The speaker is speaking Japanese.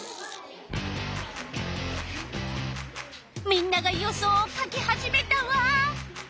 みんなが予想をかき始めたわ。